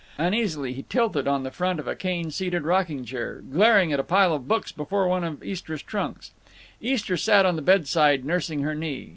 Uneasily he tilted on the front of a cane seated rocking chair, glaring at a pile of books before one of Istra's trunks. Istra sat on the bedside nursing her knee.